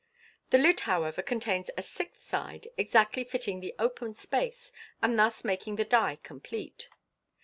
The lid, however, contains a sixth side, exactly fitting the open space, and thus making the die complete.